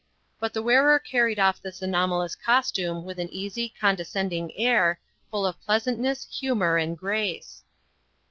But the wearer carried off this anomalous costume with an easy, condescending air, full of pleasantness, humour, and grace.